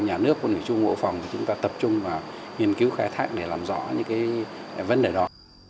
nhà nước quân ủy trung bộ phòng thì chúng ta tập trung vào nghiên cứu khai thác để làm rõ những cái vấn đề đó